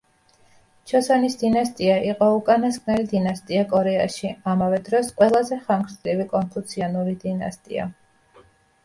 ჩოსონის დინასტია იყო უკანასკნელი დინასტია კორეაში, ამავე დროს ყველაზე ხანგრძლივი კონფუციანური დინასტია.